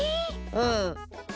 うん。